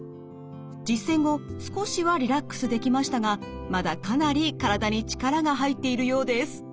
実践後少しはリラックスできましたがまだかなり体に力が入っているようです。